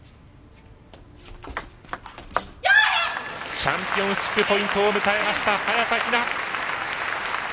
チャンピオンシップポイントを迎えました早田ひな！